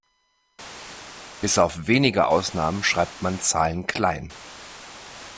Bis auf wenige Ausnahmen schreibt man Zahlen klein.